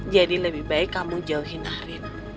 jadi lebih baik kamu jauhin arin